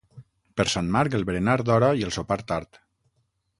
Per Sant Marc, el berenar d'hora i el sopar tard.